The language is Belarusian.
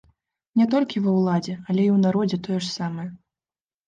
Не толькі ва ўладзе, але і ў народзе тое ж самае.